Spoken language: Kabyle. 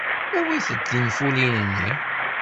Awit-d tinfulin-nni.